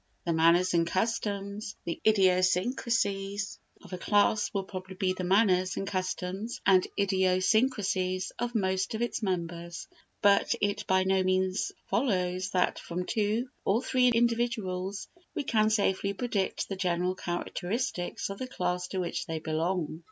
The manners and customs, the idiosyncrasies of a class will probably be the manners and customs and idiosyncrasies of most of its members; but it by no means follows that from two or three individuals we can safely predict the general characteristics of the class to which they belong.